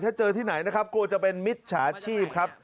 ถ้าเจอที่ไหนนะครับกลัวจะเป็นมิจฉาชีพครับ